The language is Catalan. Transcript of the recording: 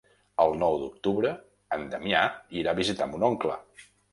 El nou d'octubre en Damià irà a visitar mon oncle.